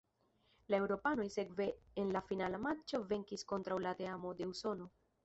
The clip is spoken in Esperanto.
La eŭropanoj sekve en la finala matĉo venkis kontraŭ la teamo de Usono.